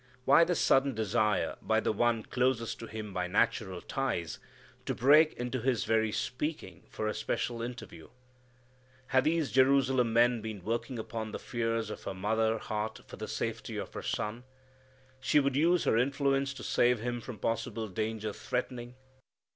Why this sudden desire by the one closest to Him by natural ties to break into His very speaking for a special interview? Had these Jerusalem men been working upon the fears of her mother heart for the safety of her Son? She would use her influence to save Him from possible danger threatening?